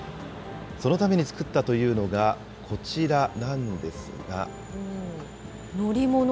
そのために作ったというのがこちらなんですが。